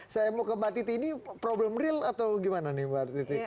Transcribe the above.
saya mau kembali ini problem real atau gimana nih mbak titi